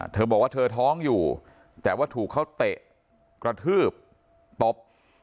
เธอบอกว่าเธอท้องอยู่แต่ว่าถูกเขาเตะกระทืบตบ